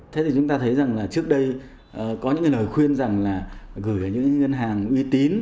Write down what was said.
thế thì chúng ta thấy rằng là trước đây có những cái lời khuyên rằng là gửi về những ngân hàng uy tín